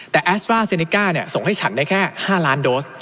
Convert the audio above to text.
แต่แอสตราเซเนก้าเนี่ยส่งให้ฉันได้แค่ห้าร้านโดรน